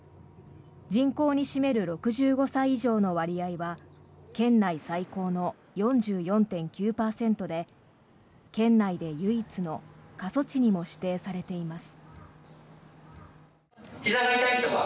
人口に占める６５歳以上の割合は県内最高の４４．９％で県内で唯一の過疎地にも指定されています。